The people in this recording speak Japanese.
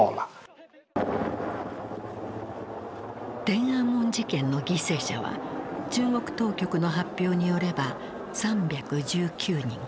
天安門事件の犠牲者は中国当局の発表によれば３１９人。